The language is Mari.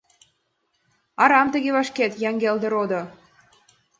Арам тыге вашкет, Яҥгелде родо!